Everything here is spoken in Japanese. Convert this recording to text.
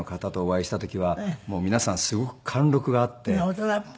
大人っぽい。